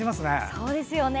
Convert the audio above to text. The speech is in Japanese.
そうですね。